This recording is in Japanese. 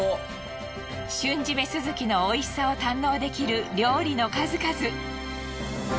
瞬〆スズキの美味しさを堪能できる料理の数々。